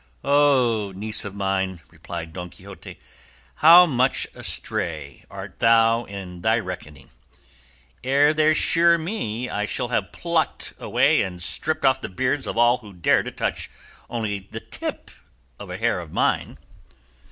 "Oh, niece of mine," replied Don Quixote, "how much astray art thou in thy reckoning: ere they shear me I shall have plucked away and stripped off the beards of all who dare to touch only the tip of a hair of mine."